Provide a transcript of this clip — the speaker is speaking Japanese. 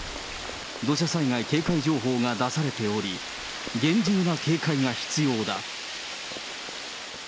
土砂災害警戒情報が出されており、厳重な警戒が必要だ。